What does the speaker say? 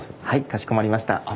はいかしこまりました。